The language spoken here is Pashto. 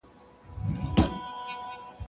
زه اوږده وخت پوښتنه کوم،